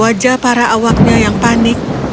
wajah para awaknya yang panik